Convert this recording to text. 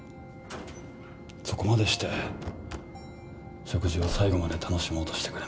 そこまでして食事を最後まで楽しもうとしてくれました。